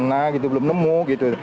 nah gitu belum nemu gitu